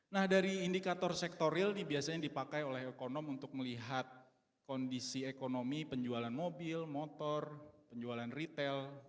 nah dari indikator sektor real ini biasanya dipakai oleh ekonom untuk melihat kondisi ekonomi penjualan mobil motor penjualan retail